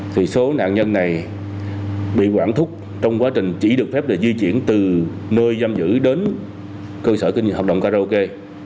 thì số nạn nhân này bị quản thúc trong quá trình chỉ được phép để di chuyển từ nơi giam giữ đến cơ sở hợp đồng karaoke